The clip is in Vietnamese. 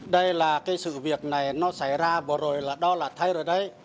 đây là cái sự việc này nó xảy ra vừa rồi là đó là thay rồi đấy